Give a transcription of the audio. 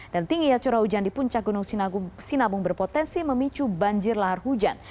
dan tinggi acara hujan di puncak gunung sinabung berpotensi memicu banjir lahar hujan